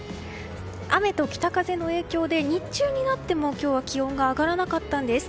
雨と北風の影響で日中になっても今日は気温が上がらなかったんです。